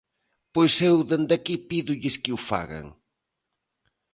Pois eu dende aquí pídolles que o fagan.